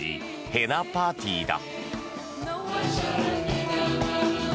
ヘナ・パーティーだ。